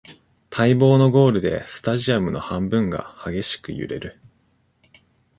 待望のゴールでスタジアムの半分が激しく揺れる